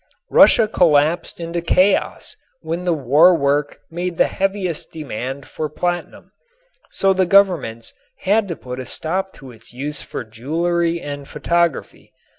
Russia collapsed into chaos just when the war work made the heaviest demand for platinum, so the governments had to put a stop to its use for jewelry and photography.